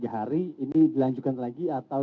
tiga hari ini dilanjutkan lagi atau